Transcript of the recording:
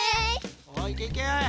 いけいけ！